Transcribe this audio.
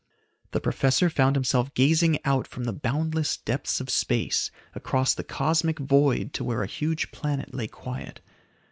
The professor found himself gazing out from the boundless depths of space across the cosmic void to where a huge planet lay quiet.